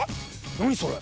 何それ？